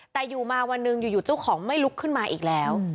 แต่อยู่มาวันหนึ่งอยู่เจ้าของไม่ลุกขึ้นมาอีกแล้ว